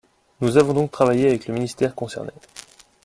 Nous avons donc travaillé avec le ministère concerné.